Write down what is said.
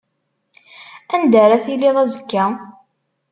Anda ara tiliḍ azekka?